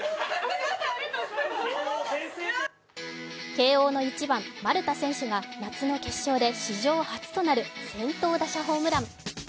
慶応の１番・丸田選手が夏の決勝で史上初となる先頭打者ホームラン。